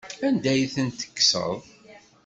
Anda ay ten-tekkseḍ?